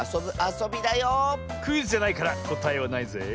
クイズじゃないからこたえはないぜ。